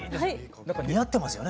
似合ってますよね。